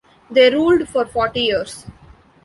They ruled for forty years.